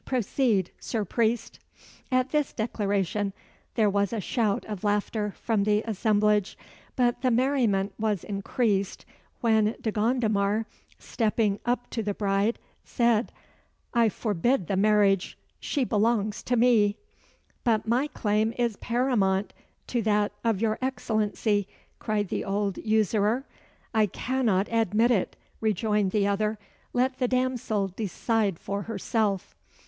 Proceed, Sir Priest." At this declaration there was a shout of laughter from the assemblage; but the merriment was increased, when Do Gondomar, stepping up to the bride, said, "I forbid the marriage. She belongs to me." "But my claim is paramount to that of your Excellency," cried the old usurer. "I cannot admit it," rejoined the other. "Let the damsel decide for herself."